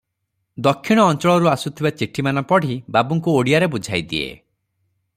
ଦକ୍ଷିଣ ଅଞ୍ଚଳରୁ ଆସୁଥିବା ଚିଠିମାନ ପଢି ବାବୁଙ୍କୁ ଓଡିଆରେ ବୁଝାଇ ଦିଏ ।